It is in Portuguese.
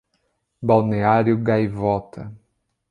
Balneário Gaivota